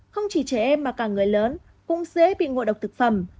không chỉ trẻ em mà cả người lớn cũng dễ bị ngộ độc thực phẩm